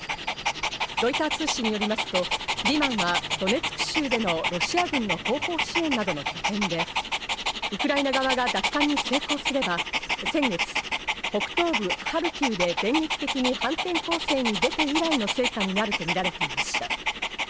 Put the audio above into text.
ロイター通信によりますと、リマンはドネツク州でのロシア軍の後方支援などの拠点で、ウクライナ側が奪還に成功すれば先月、北東部ハルキウで電撃的に反転攻勢に出て以来の成果になるとみられていました。